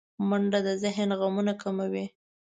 منډه د ذهن غمونه کموي